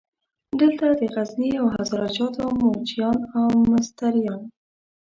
دلته د غزني او هزاره جاتو موچیان او مستریان.